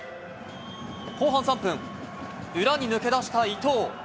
後半３分、裏に抜け出した伊東。